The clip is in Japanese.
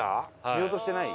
見落としてない？